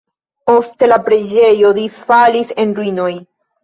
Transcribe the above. Poste la preĝejo disfalis en ruinoj.